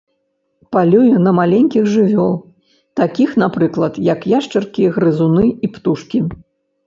Палюе на маленькіх жывёл, такіх, напрыклад, як яшчаркі, грызуны і птушкі.